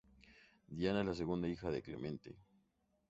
Diana es la segunda hija de Clemente.